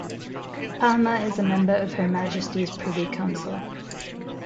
Palmer is a member of Her Majesty's Privy Council.